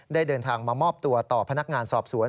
เดินทางมามอบตัวต่อพนักงานสอบสวน